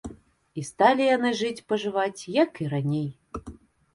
І сталі яны жыць-пажываць, як і раней.